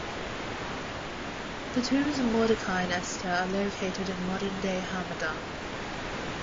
The Tombs of Mordecai and Esther are located in modern-day Hamadan.